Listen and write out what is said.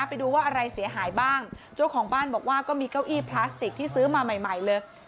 ไปดูว่าอะไรเสียหายบ้างเจ้าของบ้านบอกว่าก็มีเก้าอี้พลาสติกที่ซื้อมาใหม่ใหม่เลย